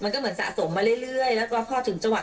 มันก็เหมือนสะสมมาเรื่อยแล้วก็พอถึงจังหวัด